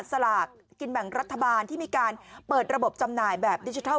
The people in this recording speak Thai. สลากกินแบ่งรัฐบาลที่มีการเปิดระบบจำหน่ายแบบดิจิทัล